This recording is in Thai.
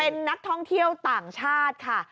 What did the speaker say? เป็นนักท่องเที่ยวต่างชาติค่ะ